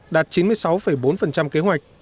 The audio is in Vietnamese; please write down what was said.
đạt chín mươi sáu bốn kế hoạch